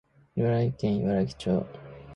茨城県茨城町